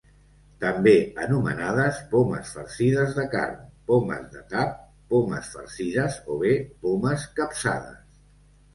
També anomenades pomes farcides de carn, pomes de tap, pomes farcides o bé pomes capçades.